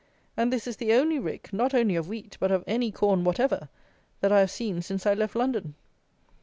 And this is the only rick, not only of wheat, but of any corn whatever, that I have seen since I left London.